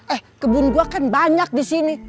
eh kebun gue kan banyak disini